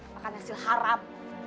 makan hasil haram